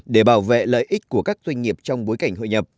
để bảo vệ lợi ích của các doanh nghiệp trong bối cảnh hội nhập